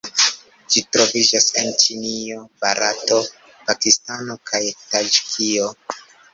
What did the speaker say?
Ĝi troviĝas en Ĉinio, Barato, Pakistano kaj Taĝikio.